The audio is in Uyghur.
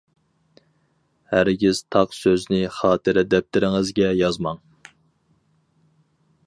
ھەرگىز تاق سۆزنى خاتىرە دەپتىرىڭىزگە يازماڭ.